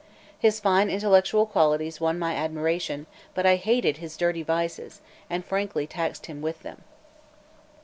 His fine intellectual qualities won my admiration; but I hated his dirty vices, and frankly taxed him with them.